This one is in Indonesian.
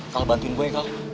kal bantuin boy kal